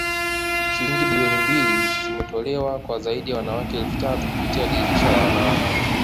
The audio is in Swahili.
Shilingi bilioni mbili zimetolewa kwa zaidi ya wanawake elfu tatu kupitia dirisha la wanawake